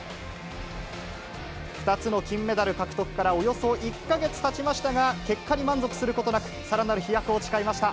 ２つの金メダル獲得からおよそ１か月たちましたが、結果に満足することなく、さらなる飛躍を誓いました。